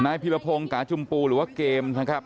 พิรพงศ์กาชุมปูหรือว่าเกมนะครับ